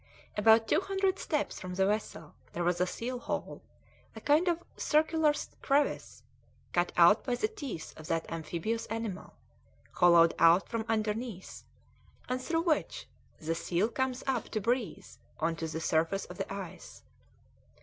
About two hundred steps from the vessel there was a seal hole, a kind of circular crevice cut out by the teeth of that amphibious animal, hollowed out from underneath, and through which the seal comes up to breathe on to the surface of the ice.